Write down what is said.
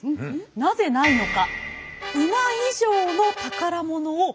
なぜないのか。